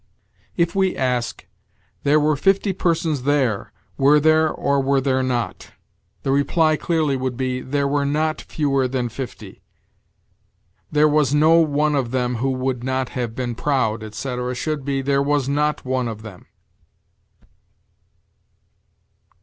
If we ask, "There were fifty persons there, were there or were there not?" the reply clearly would be, "There were not fewer than fifty." "There was no one of them who would not have been proud," etc., should be, "There was not one of them."